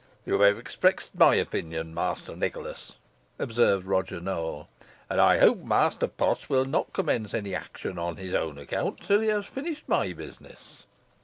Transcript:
"You have expressed my opinion, Master Nicholas," observed Roger Nowell; "and I hope Master Potts will not commence any action on his own account till he has finished my business."